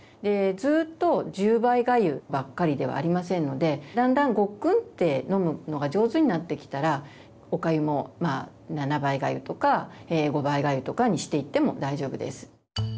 ずっと１０倍がゆばっかりではありませんのでだんだんごっくんって飲むのが上手になってきたらおかゆも７倍がゆとか５倍がゆとかにしていっても大丈夫です。